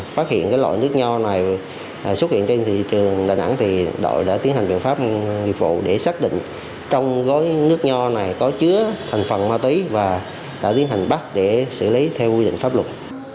phương đã tiến hành biện pháp nghiệp vụ để xác định trong gói nước nho này có chứa thành phần ma túy và đã tiến hành bắt để xử lý theo quy định pháp luật